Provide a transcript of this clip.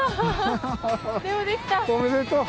おめでとう！